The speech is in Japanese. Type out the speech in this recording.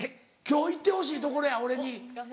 今日行ってほしいところや俺に。